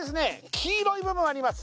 黄色い部分あります